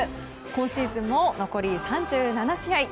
今シーズンも残り３７試合。